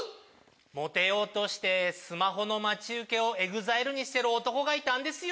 モテようとしてスマホの待ち受けをＥＸＩＬＥにしてる男がいたんですよ。